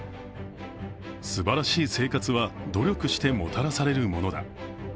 すばらしい生活は努力してもたらされるものだ。